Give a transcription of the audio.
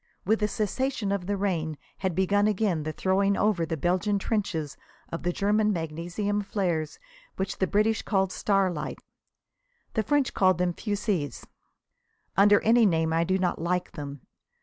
With the cessation of the rain had begun again the throwing over the Belgian trenches of the German magnesium flares, which the British call starlights. The French call them fusées. Under any name I do not like them.